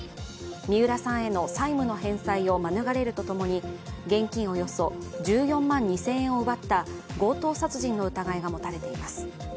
三浦さんへの債務の返済を免れるとともに現金およそ１４万２０００円を奪った強盗殺人の疑いが持たれています。